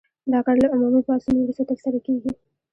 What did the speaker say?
دا کار له عمومي پاڅون وروسته ترسره کیږي.